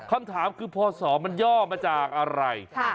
คำถามคือพศมันย่อมาจากอะไร